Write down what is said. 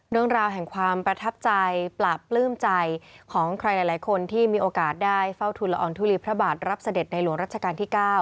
เรื่องราวแห่งความประทับใจปราบปลื้มใจของใครหลายคนที่มีโอกาสได้เฝ้าทุนละอองทุลีพระบาทรับเสด็จในหลวงรัชกาลที่๙